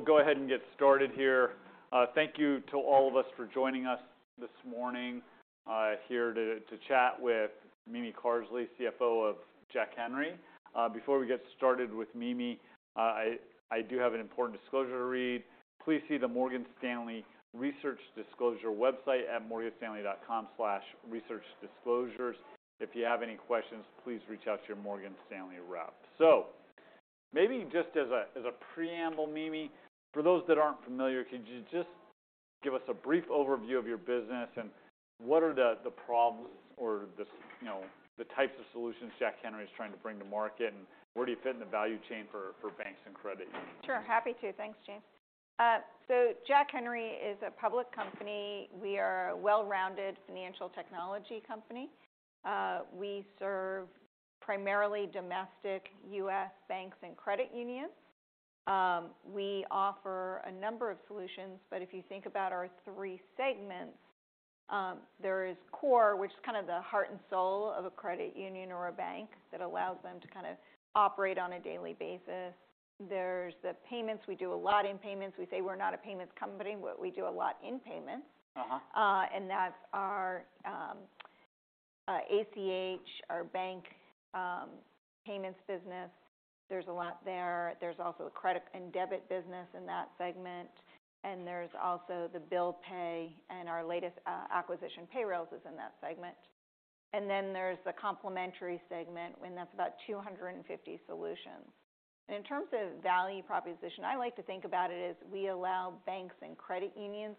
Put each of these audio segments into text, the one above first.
We'll go ahead and get started here. Thank you to all of us for joining us this morning, here to chat with Mimi Carsley, CFO of Jack Henry. Before we get started with Mimi, I do have an important disclosure to read. Please see the Morgan Stanley Research Disclosure website at morganstanley.com/research_disclosures. If you have any questions, please reach out to your Morgan Stanley rep. Maybe just as a preamble, Mimi, for those that aren't familiar, could you just give us a brief overview of your business, and what are the problems or the, you know, the types of solutions Jack Henry is trying to bring to market, and where do you fit in the value chain for banks and credit unions? Sure. Happy to. Thanks, James. Jack Henry is a public company. We are a well-rounded financial technology company. We serve primarily domestic U.S. banks and credit unions. We offer a number of solutions, but if you think about our three segments, there is core, which is kind of the heart and soul of a credit union or a bank that allows them to kind of operate on a daily basis. There's the payments. We do a lot in payments. We say we're not a payments company, but we do a lot in payments. Uh-huh. That's our ACH, our bank payments business. There's a lot there. There's also a credit and debit business in that segment, and there's also the bill pay, and our latest acquisition, Payrailz, is in that segment. Then there's the complementary segment when that's about 250 solutions. In terms of value proposition, I like to think about it as we allow banks and credit unions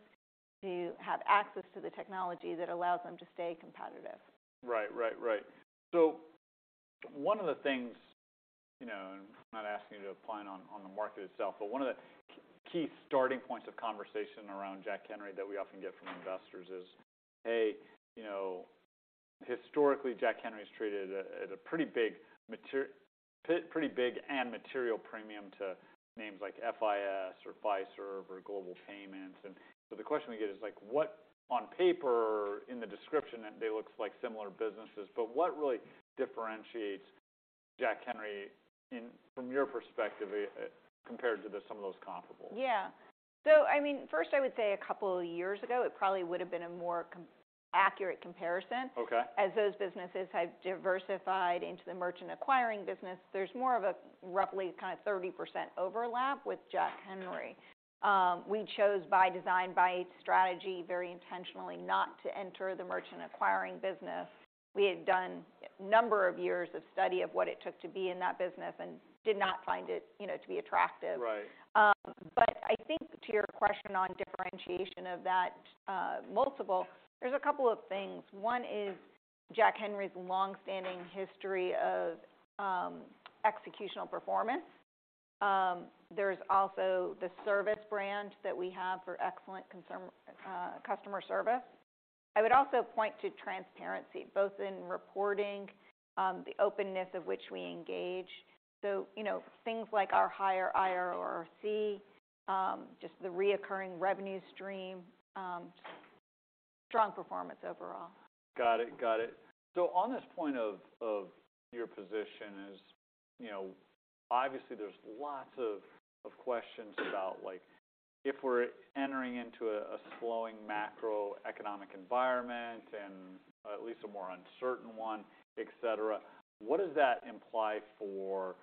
to have access to the technology that allows them to stay competitive. Right. Right. Right. One of the things, you know, and I'm not asking you to opine on the market itself, but one of the key starting points of conversation around Jack Henry that we often get from investors is, "Hey, you know, historically, Jack Henry's traded at a pretty big and material premium to names like FIS or Fiserv or Global Payments." The question we get is, like, what on paper in the description they looks like similar businesses, but what really differentiates Jack Henry from your perspective, compared to the some of those comparables? Yeah. I mean, first, I would say a couple of years ago, it probably would've been a more accurate comparison. Okay. As those businesses have diversified into the merchant acquiring business, there's more of a roughly kind of 30% overlap with Jack Henry. We chose by design, by strategy, very intentionally not to enter the merchant acquiring business. We had done number of years of study of what it took to be in that business and did not find it, you know, to be attractive. Right. I think to your question on differentiation of that multiple, there's a couple of things. One is Jack Henry's long-standing history of executional performance. There's also the service brand that we have for excellent customer service. I would also point to transparency, both in reporting, the openness of which we engage. You know, things like our higher IRRC, just the reoccurring revenue stream, strong performance overall. Got it. On this point of your position is, you know, obviously there's lots of questions about like if we're entering into a slowing macroeconomic environment and at least a more uncertain one, et cetera, what does that imply for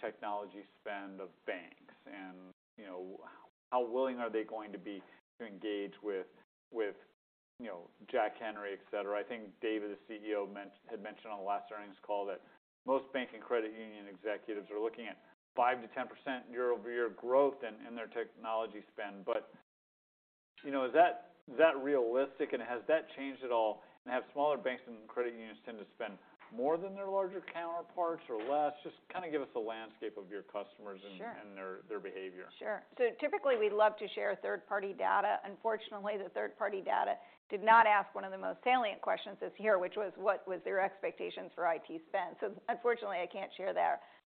technology spend of banks? You know, how willing are they going to be to engage with, you know, Jack Henry, et cetera? I think David, the CEO, had mentioned on the last earnings call that most bank and credit union executives are looking at 5%-10% year-over-year growth in their technology spend. You know, is that realistic and has that changed at all? Have smaller banks and credit unions tend to spend more than their larger counterparts or less? Just kinda give us the landscape of your customers? Sure Their behavior. Sure. Typically we love to share third-party data. Unfortunately, the third-party data did not ask one of the most salient questions this year, which was what was their expectations for IT spend. Unfortunately, I can't share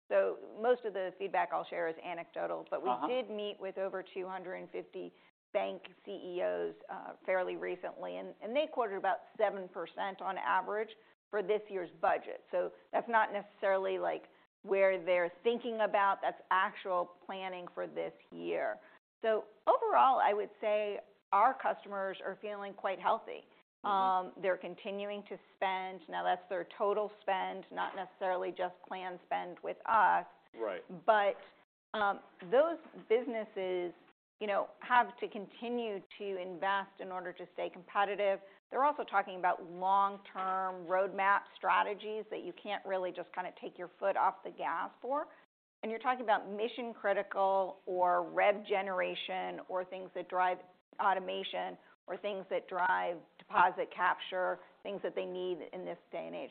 there. Most of the feedback I'll share is anecdotal. Uh-huh. We did meet with over 250 bank CEOs, fairly recently and they quoted about 7% on average for this year's budget. That's not necessarily like where they're thinking about. That's actual planning for this year. Overall, I would say our customers are feeling quite healthy. Mm-hmm. They're continuing to spend. That's their total spend, not necessarily just planned spend with us. Right. Those businesses, you know, have to continue to invest in order to stay competitive. They're also talking about long-term roadmap strategies that you can't really just kinda take your foot off the gas for. You're talking about mission critical or rev generation or things that drive automation or things that drive deposit capture, things that they need in this day and age.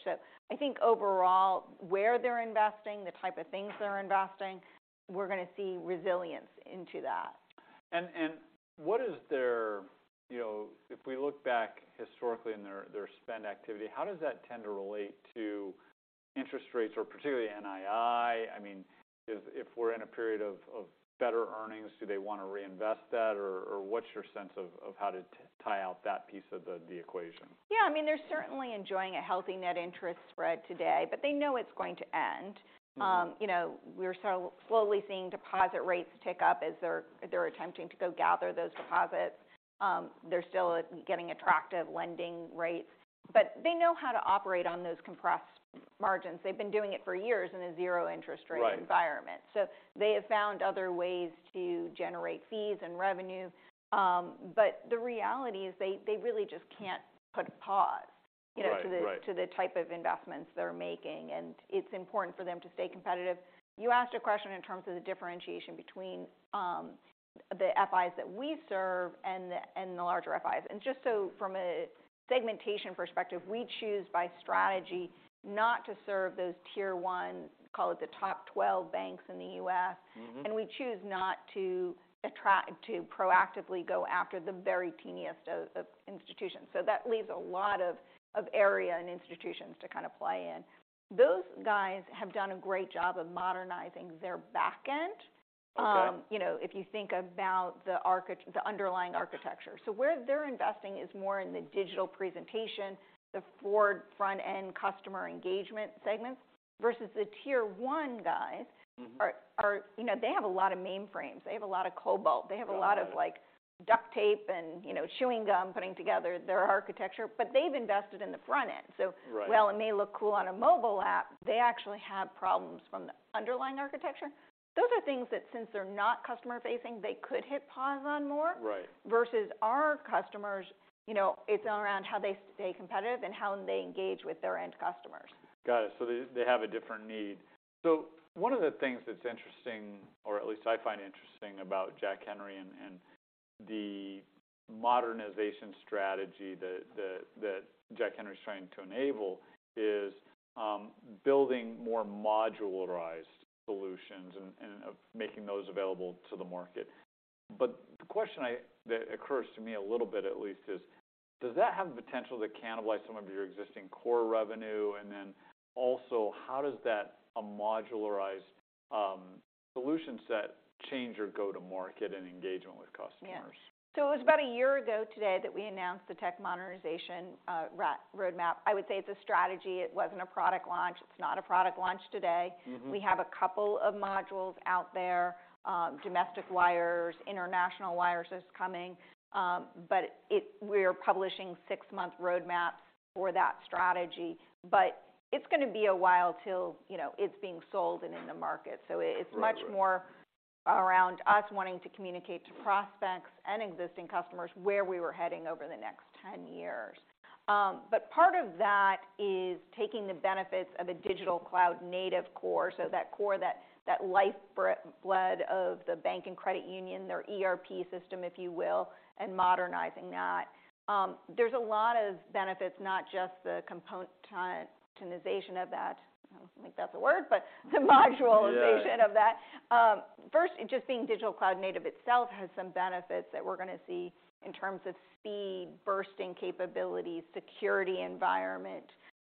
I think overall, where they're investing, the type of things they're investing, we're gonna see resilience into that. What is their... You know, if we look back historically in their spend activity, how does that tend to relate to interest rates or particularly NII, I mean, if we're in a period of better earnings, do they wanna reinvest that? What's your sense of how to tie out that piece of the equation? Yeah. I mean, they're certainly enjoying a healthy net interest spread today, but they know it's going to end. Mm-hmm. You know, we're sort of slowly seeing deposit rates tick up as they're attempting to go gather those deposits. They're still getting attractive lending rates. They know how to operate on those compressed margins. They've been doing it for years in a zero interest rate- Right... Environment. They have found other ways to generate fees and revenue. The reality is they really just can't put pause. Right. Right.... You know, to the type of investments they're making, and it's important for them to stay competitive. You asked a question in terms of the differentiation between the FIs that we serve and the larger FIs. Just so from a segmentation perspective, we choose by strategy not to serve those tier one, call it the top 12 banks in the U.S. Mm-hmm. We choose not to proactively go after the very teeniest of institutions. That leaves a lot of area and institutions to kind of play in. Those guys have done a great job of modernizing their backend. Okay. You know, if you think about the underlying architecture. Where they're investing is more in the digital presentation, the forward front end customer engagement segments, versus the tier one guys. Mm-hmm Are... You know, they have a lot of mainframes, they have a lot of COBOL. Yeah. They have a lot of like duct tape and, you know, chewing gum putting together their architecture, but they've invested in the front end. Right. While it may look cool on a mobile app, they actually have problems from the underlying architecture. Those are things that since they're not customer-facing, they could hit pause on more. Right ...Versus our customers, you know, it's around how they stay competitive and how they engage with their end customers. Got it. They have a different need. One of the things that's interesting, or at least I find interesting about Jack Henry and the modernization strategy that Jack Henry's trying to enable, is building more modularized solutions and of making those available to the market. The question that occurs to me a little bit at least is, does that have the potential to cannibalize some of your existing core revenue? Then also how does that, a modularized solution set change or go to market in engagement with customers? Yeah. It was about a year ago today that we announced the tech modernization roadmap. I would say it's a strategy. It wasn't a product launch. It's not a product launch today. Mm-hmm. We have a couple of modules out there, domestic wires, international wires is coming. We are publishing six-month roadmaps for that strategy. It's gonna be a while till, you know, it's being sold and in the market. Right. Right. Much more around us wanting to communicate to prospects and existing customers where we were heading over the next 10 years. part of that is taking the benefits of a digital cloud-native core, so that core that bled of the bank and credit union, their ERP system, if you will, and modernizing that. There's a lot of benefits, not just the componentization of that. I don't think that's a word, but the modularization. Yeah... Of that. First just being digital cloud-native itself has some benefits that we're gonna see in terms of speed, bursting capabilities, security environment,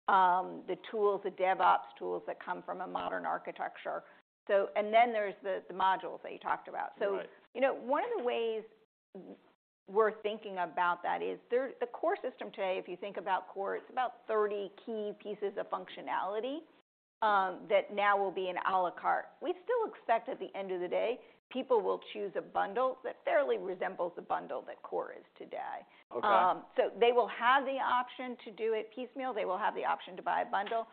the tools, the DevOps tools that come from a modern architecture. Then there's the modules that you talked about. Right. You know, one of the ways we're thinking about that is the core system today, if you think about core, it's about 30 key pieces of functionality that now will be an à la carte. We still expect at the end of the day, people will choose a bundle that fairly resembles a bundle that core is today. Okay. They will have the option to do it piecemeal. They will have the option to buy a bundle.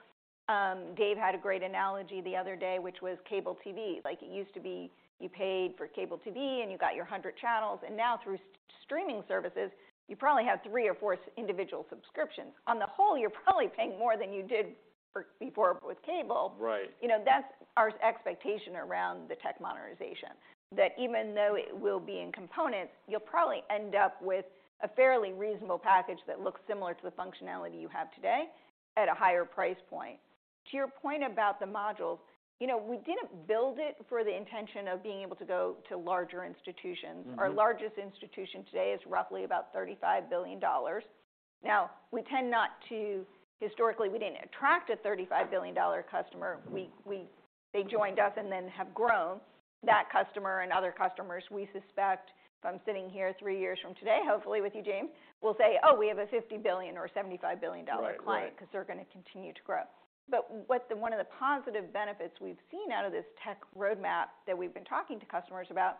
Dave had a great analogy the other day, which was cable TV. Like it used to be you paid for cable TV, and you got your 100 channels, and now through streaming services, you probably have three or four individual subscriptions. On the whole, you're probably paying more than you did for before with cable. Right. You know, that's our expectation around the tech modernization. That even though it will be in components, you'll probably end up with a fairly reasonable package that looks similar to the functionality you have today at a higher price point. To your point about the modules, you know, we didn't build it for the intention of being able to go to larger institutions. Mm-hmm. Our largest institution today is roughly about $35 billion. Historically, we didn't attract a $35 billion customer. Mm-hmm ...They joined us and then have grown. That customer and other customers we suspect, if I'm sitting here 3 years from today, hopefully with you, James, we'll say, "Oh, we have a $50 billion or a $75 billion dollar client. Right. Right. Because they're gonna continue to grow." One of the positive benefits we've seen out of this tech roadmap that we've been talking to customers about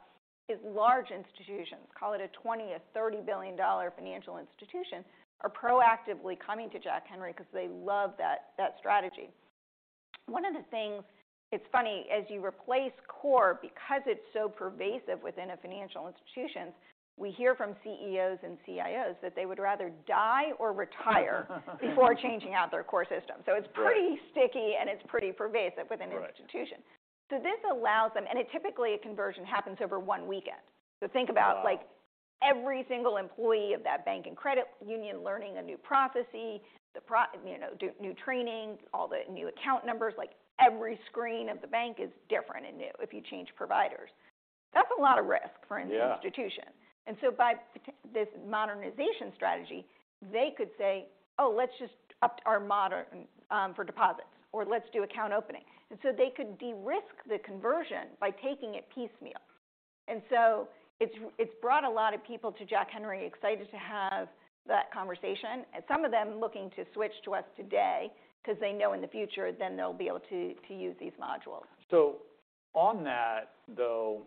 is large institutions, call it a $20 billion-$30 billion financial institution, are proactively coming to Jack Henry because they love that strategy. One of the things, it's funny, as you replace core because it's so pervasive within a financial institutions, we hear from CEOs and CIOs that they would rather die or retire before changing out their core system. Right. It's pretty sticky, and it's pretty pervasive within institutions. Right. This allows them. A typically a conversion happens over one weekend. Wow. Think about like every single employee of that bank and credit union learning a new processes, you know, do new training, all the new account numbers, like every screen of the bank is different and new if you change providers. That's a lot of risk. Yeah ...Institution. By this modernization strategy, they could say, "Oh, let's just up our modern for deposits, or let's do account opening." They could de-risk the conversion by taking it piecemeal. It's brought a lot of people to Jack Henry excited to have that conversation and some of them looking to switch to us today 'cause they know in the future then they'll be able to use these modules. On that though,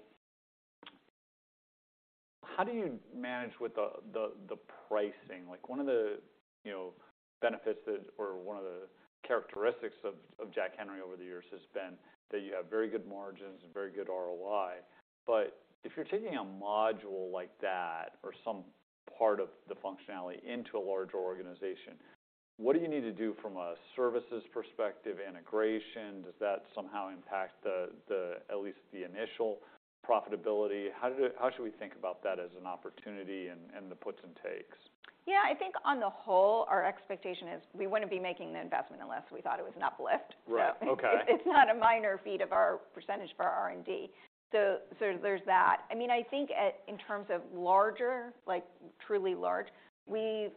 how do you manage with the pricing? Like one of the, you know, benefits that or one of the characteristics of Jack Henry over the years has been that you have very good margins and very good ROI. If you're taking a module like that or some part of the functionality into a larger organization, what do you need to do from a services perspective, integration? Does that somehow impact the at least the initial profitability? How should we think about that as an opportunity and the puts and takes? I think on the whole, our expectation is we wouldn't be making the investment unless we thought it was an uplift. Right. Okay. It's not a minor feat of our percentage for our R&D. There's that. I mean, I think in terms of larger, like truly large, we've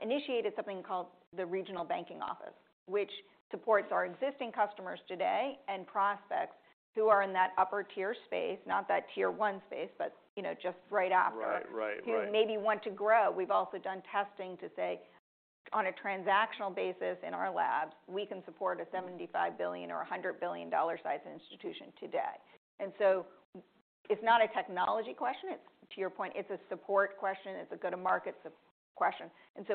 initiated something called the Regional Banking Office, which supports our existing customers today and prospects who are in that upper tier space, not that tier one space, but you know, just right after. Right. Right. Right. Who maybe want to grow. We've also done testing to say on a transactional basis in our labs, we can support a $75 billion or a $100 billion dollar size institution today. It's not a technology question. It's, to your point, it's a support question. It's a go to market question.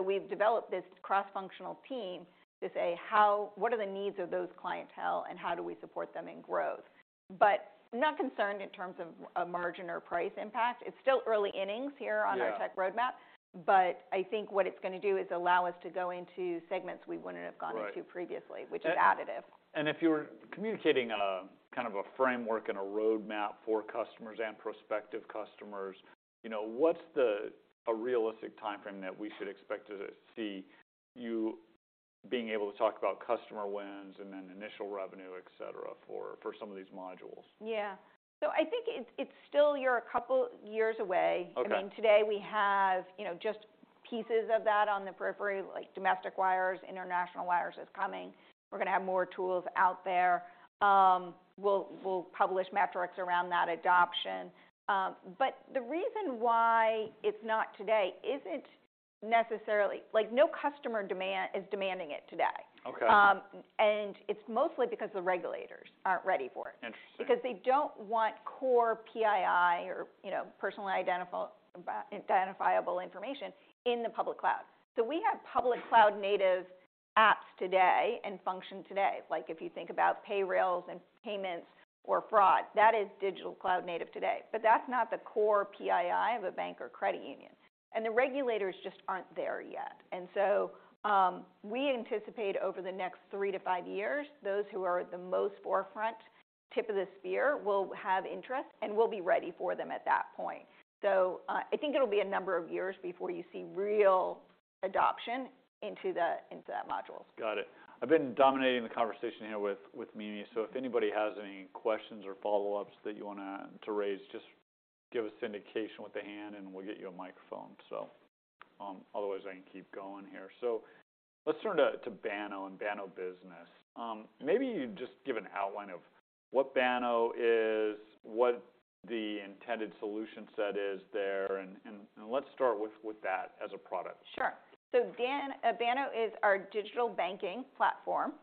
We've developed this cross-functional team to say how, what are the needs of those clientele and how do we support them in growth? Not concerned in terms of a margin or price impact. It's still early innings here. Yeah On our tech roadmap, but I think what it's gonna do is allow us to go into segments we wouldn't have gone into. Right ...Previously, which is additive. If you're communicating a kind of a framework and a roadmap for customers and prospective customers, you know, what's a realistic timeframe that we should expect to see you being able to talk about customer wins and then initial revenue, et cetera, for some of these modules? Yeah. I think it's still you're a couple years away. Okay. I mean, today we have, you know, just pieces of that on the periphery, like domestic wires, international wires is coming. We're gonna have more tools out there. We'll publish metrics around that adoption. The reason why it's not today isn't necessarily. Like, no customer demand is demanding it today. Okay. It's mostly because the regulators aren't ready for it. Interesting. They don't want core PII or, you know, personally identifiable information in the public cloud. We have public cloud-native apps today and function today. Like if you think about Payrailz and payments or fraud, that is digital cloud-native today. That's not the core PII of a bank or credit union, the regulators just aren't there yet. We anticipate over the next three years-five years, those who are at the most forefront, tip of the spear, will have interest and we'll be ready for them at that point. I think it'll be a number of years before you see real adoption into the, into that module. Got it. I've been dominating the conversation here with Mimi. If anybody has any questions or follow-ups that you wanna to raise, just give us indication with the hand and we'll get you a microphone. Otherwise I can keep going here. Let's turn to Banno and Banno Business. Maybe you just give an outline of what Banno is, what the intended solution set is there, and let's start with that as a product. Sure. Banno is our digital banking platform.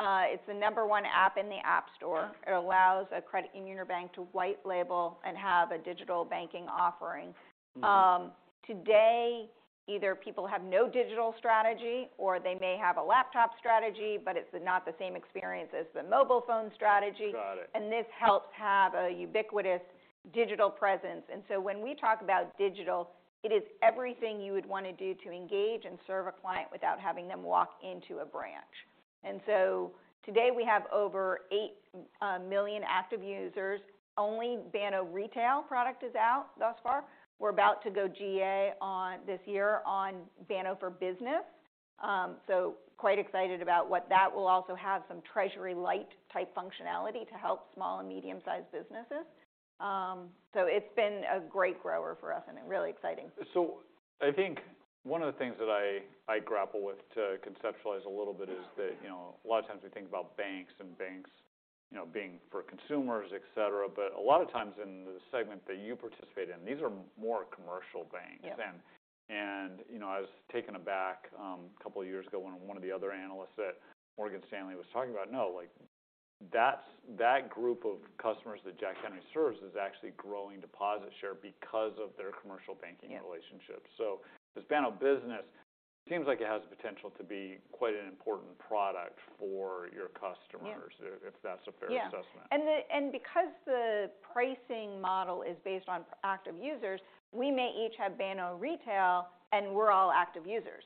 It's the number one app in the App Store. Okay. It allows a credit union or bank to white label and have a digital banking offering. Mm-hmm. Today, either people have no digital strategy or they may have a laptop strategy, but it's not the same experience as the mobile phone strategy. Got it. This helps have a ubiquitous digital presence. When we talk about digital, it is everything you would wanna do to engage and serve a client without having them walk into a branch. Today we have over 8 million active users. Only Banno Retail product is out thus far. We're about to go GA on this year on Banno Business. Quite excited about what that will also have some treasury lite type functionality to help small and medium sized businesses. It's been a great grower for us and really exciting. I think one of the things that I grapple with to conceptualize a little bit is that, you know, a lot of times we think about banks, you know, being for consumers, et cetera, but a lot of times in the segment that you participate in, these are more commercial banks. Yeah. And you know, I was taken aback a couple of years ago when one of the other analysts at Morgan Stanley was talking about that group of customers that Jack Henry serves is actually growing deposit share because of their commercial banking relationships. Yeah. Does Banno Business, seems like it has potential to be quite an important product for your customers. Yeah ...If that's a fair assessment. Yeah. Because the pricing model is based on active users, we may each have Banno Retail and we're all active users.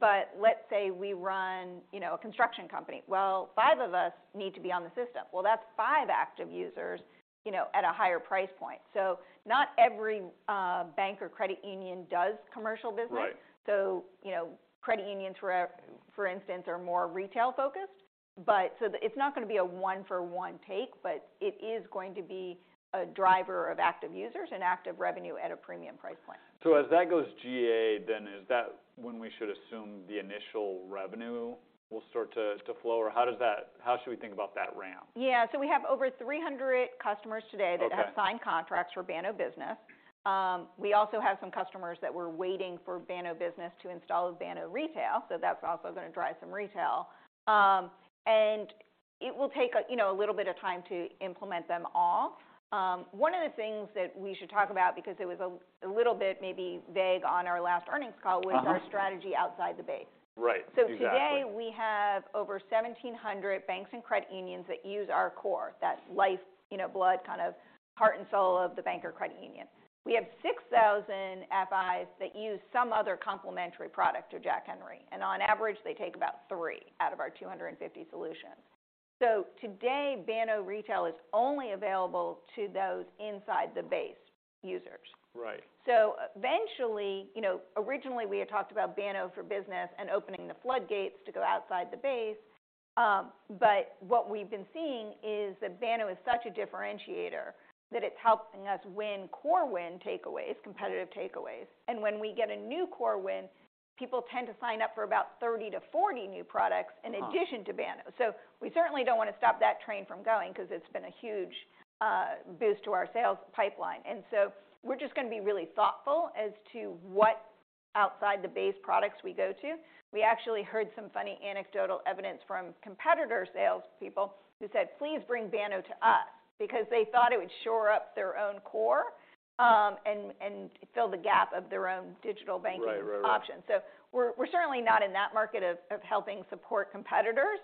Let's say we run, you know, a construction company. Well, five of us need to be on the system. Well, that's five active users, you know, at a higher price point. Not every bank or credit union does commercial business. Right. You know, credit unions for instance, are more retail-focused. It's not going to be a one-for-one take, it is going to be a driver of active users and active revenue at a premium price point. As that goes GA, then is that when we should assume the initial revenue will start to flow? Or how should we think about that ramp? Yeah. We have over 300 customers today. Okay ...That have signed contracts for Banno Business. We also have some customers that were waiting for Banno Business to install Banno Retail, so that's also gonna drive some retail. It will take you know, a little bit of time to implement them all. One of the things that we should talk about, because it was a little bit maybe vague on our last earnings call. Uh-huh... Was our strategy outside the base. Right. Exactly. Today, we have over 1,700 banks and credit unions that use our core. That life, you know, blood kind of heart and soul of the bank or credit union. We have 6,000 FIs that use some other complementary product to Jack Henry, and on average, they take about three out of our 250 solutions. Today, Banno Retail is only available to those inside the base users. Right. Eventually, you know, originally, we had talked about Banno Business and opening the floodgates to go outside the base. What we've been seeing is that Banno is such a differentiator that it's helping us win core win takeaways, competitive takeaways. When we get a new core win, people tend to sign up for about 30-40 new products in addition to Banno. We certainly don't wanna stop that train from going because it's been a huge boost to our sales pipeline. We're just gonna be really thoughtful as to what outside-the-base products we go to. We actually heard some funny anecdotal evidence from competitor salespeople who said, "Please bring Banno to us," because they thought it would shore up their own core and fill the gap of their own digital banking- Right. Right. Right. ...Options. We're certainly not in that market of helping support competitors.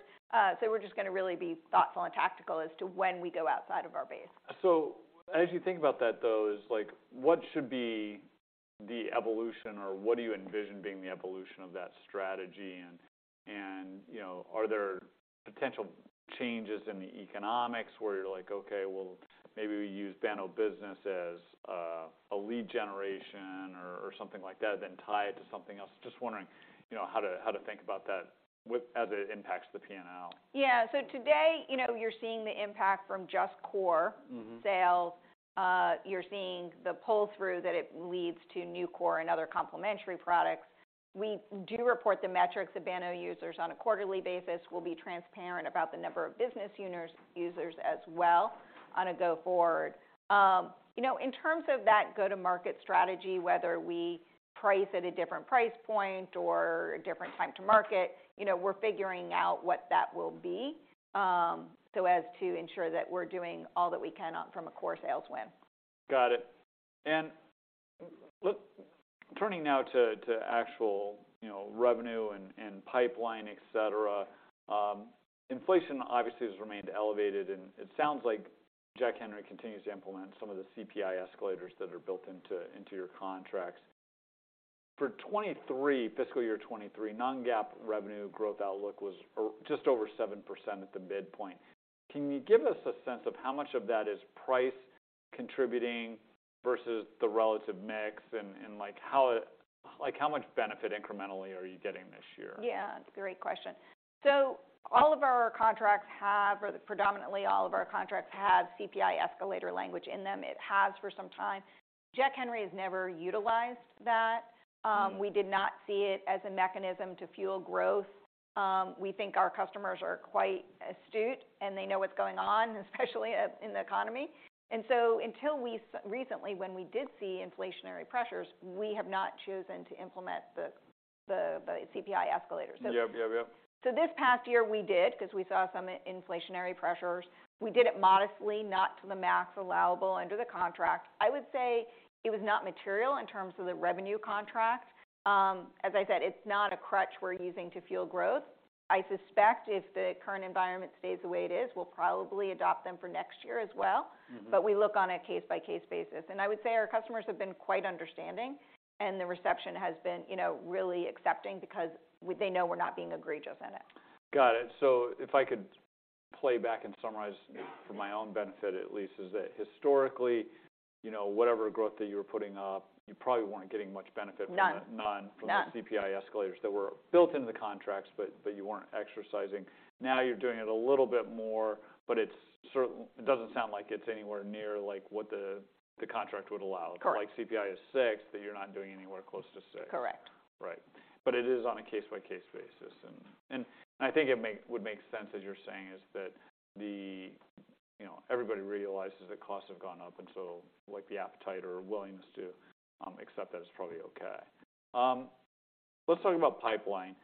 We're just gonna really be thoughtful and tactical as to when we go outside of our base. As you think about that, though, is like what should be the evolution or what do you envision being the evolution of that strategy? You know, are there potential changes in the economics where you're like, "Okay. Well, maybe we use Banno Business as a lead generation or something like that, then tie it to something else." Just wondering, you know, how to think about that with as it impacts the P&L. Yeah. today, you know, you're seeing the impact from just core- Mm-hmm sales. You're seeing the pull-through that it leads to new core and other complementary products. We do report the metrics of Banno users on a quarterly basis. We'll be transparent about the number of business users as well on a go-forward. You know, in terms of that go-to-market strategy, whether we price at a different price point or a different time to market, you know, we're figuring out what that will be, so as to ensure that we're doing all that we can on from a core sales win. Got it. Turning now to actual, you know, revenue and pipeline, et cetera, inflation obviously has remained elevated, and it sounds like Jack Henry continues to implement some of the CPI escalators that are built into your contracts. For 2023, fiscal year 2023, non-GAAP revenue growth outlook was just over 7% at the midpoint. Can you give us a sense of how much of that is price contributing versus the relative mix? Like how much benefit incrementally are you getting this year? Yeah. It's a great question. All of our contracts have, or predominantly all of our contracts have CPI escalator language in them. It has for some time. Jack Henry has never utilized that. Mm-hmm ...We did not see it as a mechanism to fuel growth. We think our customers are quite astute, and they know what's going on, especially in the economy. Until we recently, when we did see inflationary pressures, we have not chosen to implement the CPI escalators. Yep. Yep. Yep. This past year we did because we saw some inflationary pressures. We did it modestly, not to the max allowable under the contract. I would say it was not material in terms of the revenue contract. As I said, it's not a crutch we're using to fuel growth. I suspect if the current environment stays the way it is, we'll probably adopt them for next year as well. Mm-hmm. We look on a case-by-case basis. I would say our customers have been quite understanding, and the reception has been, you know, really accepting because they know we're not being egregious in it. Got it. If I could play back and summarize for my own benefit at least, is that historically, you know, whatever growth that you were putting up, you probably weren't getting much benefit from. None... None- None ...From the CPI escalators that were built into the contracts but you weren't exercising. Now you're doing it a little bit more, but it doesn't sound like it's anywhere near like what the contract would allow. Correct. Like CPI is six, but you're not doing anywhere close to six. Correct. Right. It is on a case-by-case basis. I think it would make sense, as you're saying, is that the. You know, everybody realizes the costs have gone up, and so like the appetite or willingness to accept that is probably okay. Let's talk about pipeline.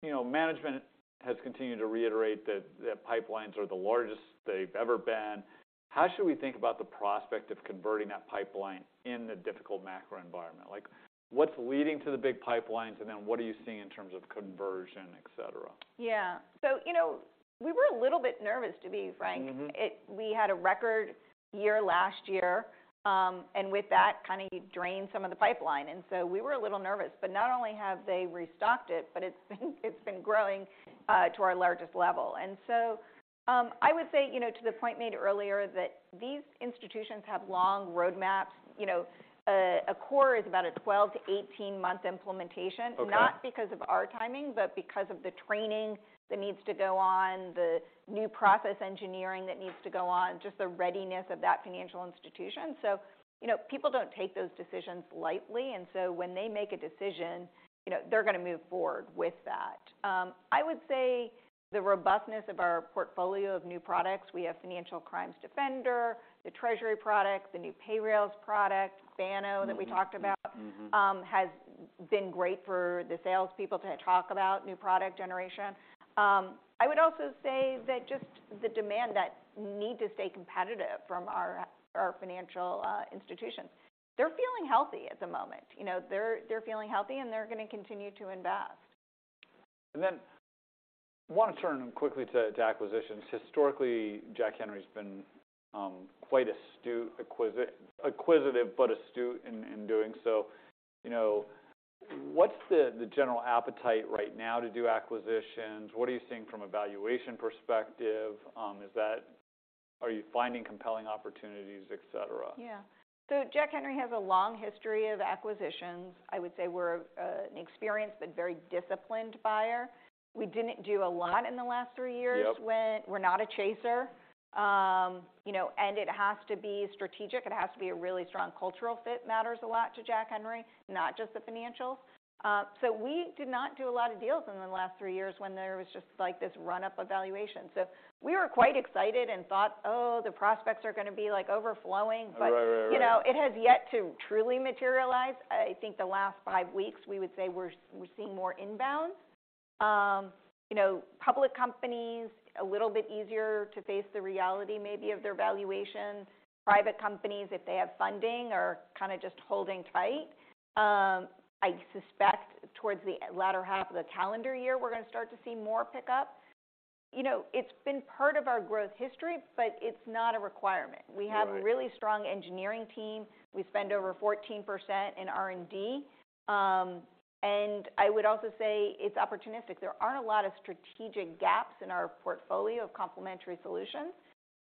You know, management has continued to reiterate that pipelines are the largest they've ever been. How should we think about the prospect of converting that pipeline in the difficult macro environment? Like what's leading to the big pipelines, and then what are you seeing in terms of conversion, et cetera? Yeah. you know, we were a little bit nervous, to be frank. Mm-hmm. We had a record year last year. With that kind of drained some of the pipeline, we were a little nervous. Not only have they restocked it, but it's been growing to our largest level. I would say, you know, to the point made earlier that these institutions have long roadmaps, you know, a core is about a 12-month-18-month implementation. Okay... Not because of our timing, but because of the training that needs to go on, the new process engineering that needs to go on, just the readiness of that financial institution. You know, people don't take those decisions lightly, and so when they make a decision, you know, they're gonna move forward with that. I would say the robustness of our portfolio of new products, we have Financial Crimes Defender, the treasury products, the new Payrailz product, Banno- Mm-hmm ...That we talked about. Mm-hmm... Has been great for the salespeople to talk about new product generation. I would also say that just the demand that need to stay competitive from our financial institutions. They're feeling healthy at the moment. You know, they're feeling healthy, and they're gonna continue to invest. Wanna turn quickly to acquisitions. Historically, Jack Henry's been quite astute acquisitive, but astute in doing so. You know, what's the general appetite right now to do acquisitions? What are you seeing from a valuation perspective? Are you finding compelling opportunities, et cetera? Yeah. Jack Henry has a long history of acquisitions. I would say we're an experienced but very disciplined buyer. We didn't do a lot in the last three years. Yep When we're not a chaser. You know, it has to be strategic. It has to be a really strong cultural fit matters a lot to Jack Henry, not just the financials. We did not do a lot of deals in the last three years when there was just like this run-up evaluation. We were quite excited and thought, "Oh, the prospects are gonna be like overflowing. Right. Right. Right. ...You know, it has yet to truly materialize. I think the last five weeks, we would say we're seeing more inbound. You know, public companies, a little bit easier to face the reality maybe of their valuations. Private companies, if they have funding, are kind of just holding tight. I suspect towards the latter half of the calendar year, we're gonna start to see more pickup. You know, it's been part of our growth history, but it's not a requirement. Right. We have a really strong engineering team. We spend over 14% in R&D. I would also say it's opportunistic. There aren't a lot of strategic gaps in our portfolio of complementary solutions.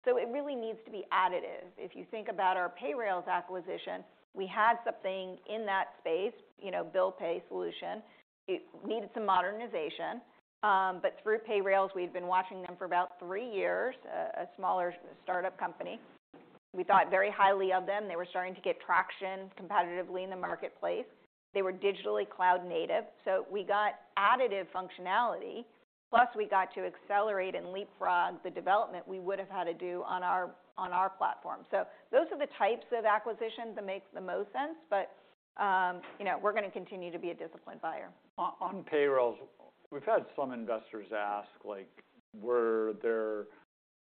It really needs to be additive. If you think about our Payrailz acquisition, we had something in that space, you know, bill pay solution. It needed some modernization. Through Payrailz, we've been watching them for about 3 years, a smaller startup company. We thought very highly of them. They were starting to get traction competitively in the marketplace. They were digitally cloud-native. We got additive functionality, plus we got to accelerate and leapfrog the development we would've had to do on our, on our platform. Those are the types of acquisitions that make the most sense. You know, we're gonna continue to be a disciplined buyer. On Payrailz, we've had some investors ask, like, were there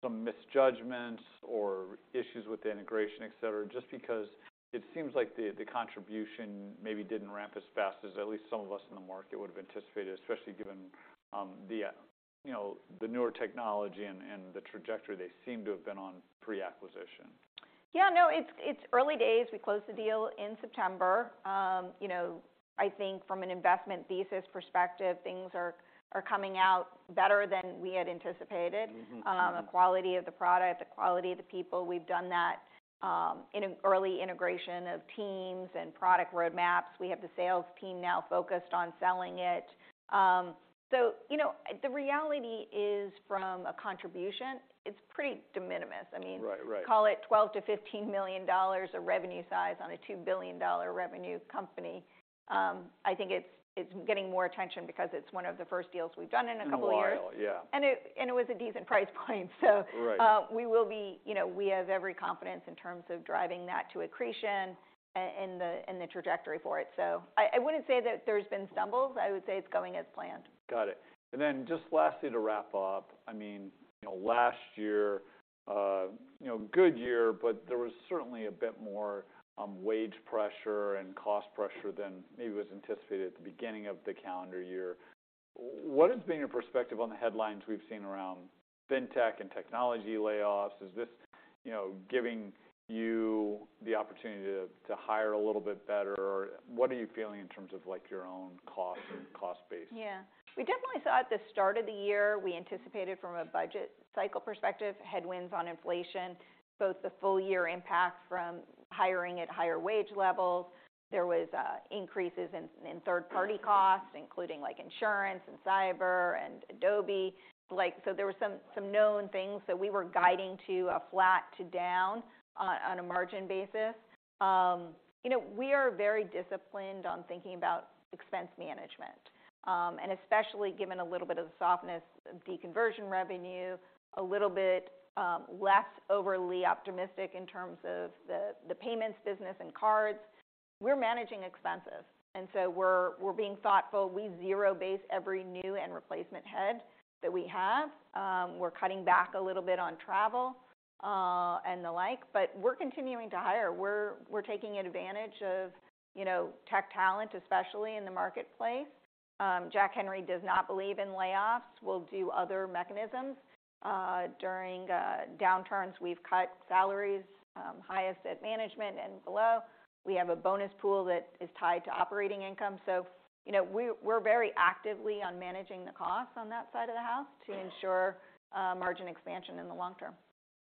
some misjudgments or issues with the integration, et cetera, just because it seems like the contribution maybe didn't ramp as fast as at least some of us in the market would've anticipated, especially given, you know, the newer technology and the trajectory they seem to have been on pre-acquisition. Yeah, no, it's early days. We closed the deal in September. You know, I think from an investment thesis perspective, things are coming out better than we had anticipated. Mm-hmm. The quality of the product, the quality of the people, we've done that, in early integration of teams and product roadmaps. We have the sales team now focused on selling it. You know, the reality is from a contribution, it's pretty de minimis. I mean. Right. Right. Call it $12 million-$15 million a revenue size on a $2 billion revenue company. I think it's getting more attention because it's one of the first deals we've done in a couple of years. While, yeah. It was a decent price point. Right... You know, we have every confidence in terms of driving that to accretion and the trajectory for it. I wouldn't say that there's been stumbles. I would say it's going as planned. Got it. Just lastly to wrap up, I mean, you know, last year, you know, good year, but there was certainly a bit more wage pressure and cost pressure than maybe was anticipated at the beginning of the calendar year. What has been your perspective on the headlines we've seen around fintech and technology layoffs? Is this, you know, giving you the opportunity to hire a little bit better? What are you feeling in terms of like your own costs and cost base? We definitely saw at the start of the year, we anticipated from a budget cycle perspective, headwinds on inflation, both the full year impact from hiring at higher wage levels. There was increases in third-party costs, including like insurance and cyber and Adobe. Like, there were some known things that we were guiding to a flat to down on a margin basis. You know, we are very disciplined on thinking about expense management. Especially given a little bit of the softness of deconversion revenue, a little bit less overly optimistic in terms of the payments business and cards. We're managing expenses, we're being thoughtful. We zero-base every new and replacement head that we have. We're cutting back a little bit on travel and the like, but we're continuing to hire. We're taking advantage of, you know, tech talent, especially in the marketplace. Jack Henry does not believe in layoffs. We'll do other mechanisms. During downturns, we've cut salaries, highest at management and below. We have a bonus pool that is tied to operating income. You know, we're very actively on managing the cost on that side of the house to ensure margin expansion in the long term.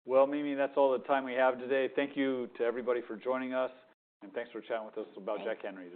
Mimi, that's all the time we have today. Thank you to everybody for joining us, and thanks for chatting with us about Jack Henry today.